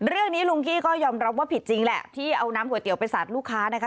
ลุงกี้ก็ยอมรับว่าผิดจริงแหละที่เอาน้ำก๋วไปสาดลูกค้านะคะ